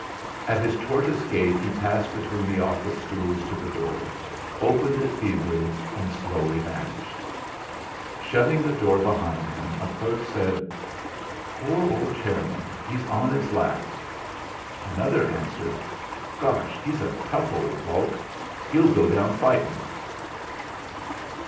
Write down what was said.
At his tortoise gait he passed between the office stools to the door, opened it feebly, and slowly vanished. Shutting the door behind him, a clerk said: "Poor old chairman! He's on his last!" Another answered: "Gosh! He's a tough old hulk. He'll go down fightin'."